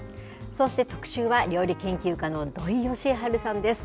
そして特集は、料理研究家の土井善晴さんです。